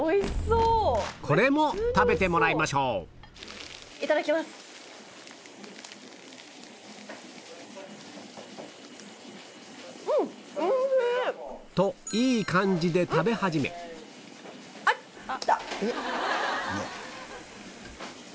これも食べてもらいましょうといい感じで食べ始めあっ来た。